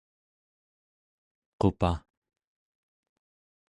qupaᵉ